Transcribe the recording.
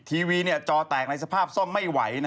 ทีวีจอแตกในสภาพซ่อมไม่ไหว